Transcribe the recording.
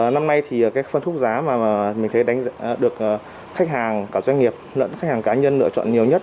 năm nay thì cái phân khúc giá mà mình thấy được khách hàng cả doanh nghiệp lẫn khách hàng cá nhân lựa chọn nhiều nhất